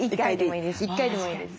１回でもいいです